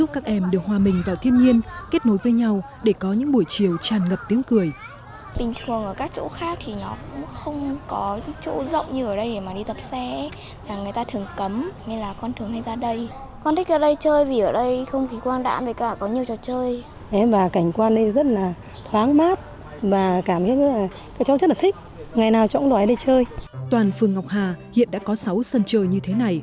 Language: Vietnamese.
các em nhỏ nơi đây có thêm những nơi vui chơi mỗi khi chiều đến